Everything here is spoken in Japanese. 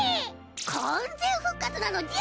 完全復活なのじゃ！